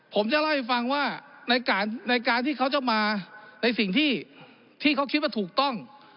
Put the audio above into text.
ผมจะเล่าให้ฟังว่าในการที่เขาจะมาในสิ่งที่เขาคิดว่าถูกต้อง